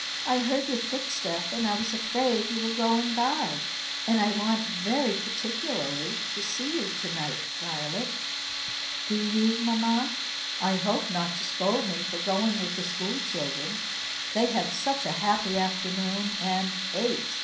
I heard your footstep, and I was afraid you were going by. And I want very particularly to see you to night, Violet." "Do you, mamma? I hope not to scold me for going with the school children. They had such a happy afternoon; and ate!